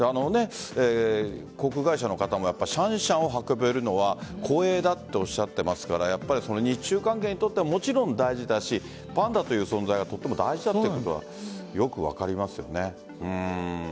航空会社の方もシャンシャンを運べるのは光栄だとおっしゃっていましたからそれ、日中関係にとってももちろん大事だしパンダという存在がとても大事だということはよく分かりますよね。